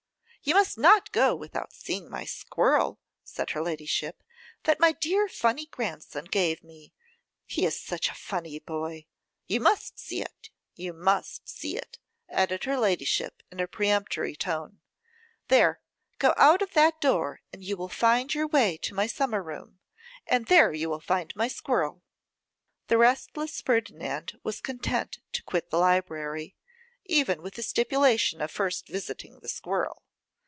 'You must not go without seeing my squirrel,' said her ladyship, 'that my dear funny grandson gave me: he is such a funny boy. You must see it, you must see it,' added her ladyship, in a peremptory tone. 'There, go out of that door, and you will find your way to my summer room, and there you will find my squirrel.' The restless Ferdinand was content to quit the library, even with the stipulation of first visiting the squirrel.